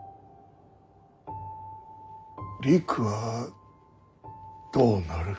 りくはどうなる。